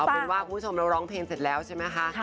เป็นว่าคุณผู้ชมเราร้องเพลงเสร็จแล้วใช่ไหมคะ